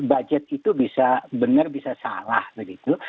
budget itu bisa benar bisa salah begitu